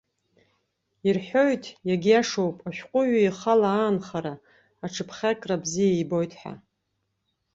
Ирҳәоит, иагьиашоуп, ашәҟәыҩҩы ихала аанхара, аҽыԥхьакра бзиа ибоит ҳәа.